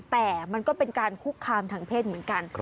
แต่มันก็เป็นการคุกคามทางเพศเหมือนกัน